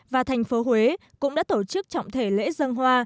và thành phố huế cũng đã tổ chức trọng thể lễ dân hoa